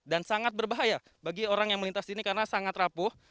dan sangat berbahaya bagi orang yang melintas di sini karena sangat rapuh